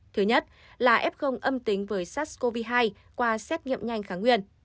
thứ nhất là f âm tính với sars cov hai qua xét nghiệm nhanh kháng nguyên